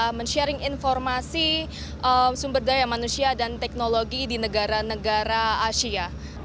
dari jepang dan juga india tujuan dari simulasi ini adalah sharing informasi sumber daya manusia dan teknologi di negara negara asia